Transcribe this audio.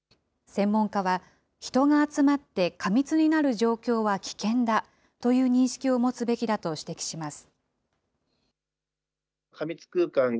専門家は、人が集まって過密になる状況は危険だという認識を持つべきだと指摘します。